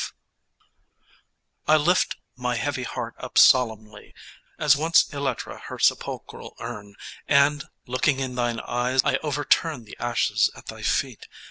V I lift my heavy heart up solemnly, As once Electra her sepulchral urn, And, looking in thine eyes, I over turn The ashes at thy feet.